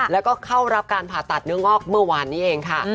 แล้วก็เข้ารับการผ่าตัดเนื้องอกเมื่อวานนี้เองค่ะ